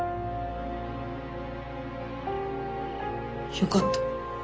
よかった。